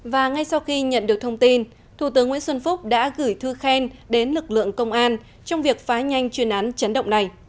và ngay sau khi nhận được thông tin thủ tướng nguyễn xuân phúc đã gửi thư khen đến lực lượng công an trong việc phá nhanh chuyên án chấn động này